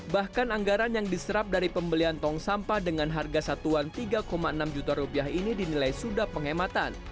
bahkan anggaran yang diserap dari pembelian tong sampah dengan harga satuan tiga enam juta rupiah ini dinilai sudah penghematan